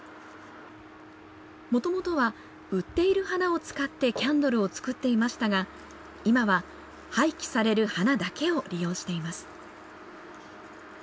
もともとは売っている花を使ってキャンドルを作っていましたが、今は廃棄される花だけを利用しています。